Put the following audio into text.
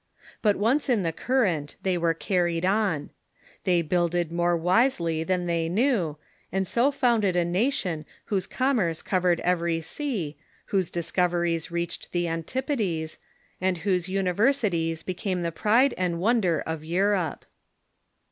But once in the current, they were carried on. They builded more wise ly than they knew, and so founded a nation whose commerce covered every sea, whose discoveries reached the antipodes, 280 THE REFORMATION and whose universities became the pride and wonder of Eu rope.